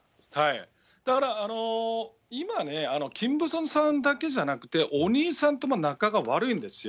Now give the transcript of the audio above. だから今ね、キム・ブソンさんだけじゃなくって、お兄さんとも仲が悪いんですよ。